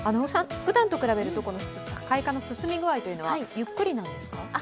ふだんと比べると開花の進み具合はゆっくりなんですか？